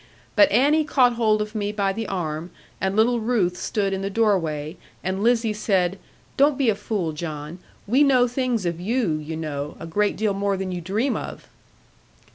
But Annie caught hold of me by the arm, and little Ruth stood in the doorway; and Lizzie said, 'Don't be a fool, John. We know things of you, you know; a great deal more than you dream of.'